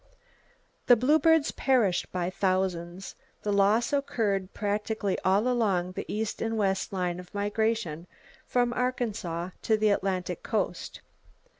The bluebirds perished by thousands. The loss occurred practically all along their east and west line of migration, from Arkansas to the Atlantic Coast.